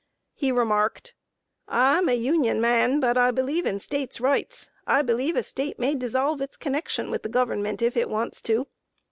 He remarked: "I am a Union man, but I believe in State Rights. I believe a State may dissolve its connection with the Government if it wants to."